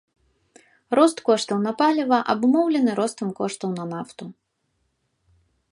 Рост коштаў на паліва абумоўлены ростам коштаў на нафту.